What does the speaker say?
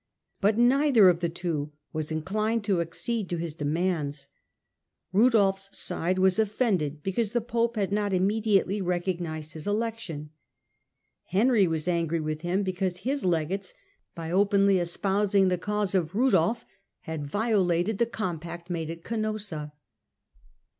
But neither of the two was inclined to accede to his demands. Rudolfs side was offended because the pope had not immediately recognised his election. Henry was angry with him because his legates, by openly Digitized by VjOOQIC The Last Years of Gregory VII. 139 espousing the cause of Rudolf, had violated the com pact made at Canossa.